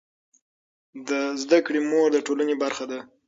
د زده کړې مور د ټولنې برخه ده.